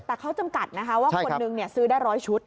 แต่เขาจำกัดนะคะว่าคนนึงซื้อได้๑๐๐ชุด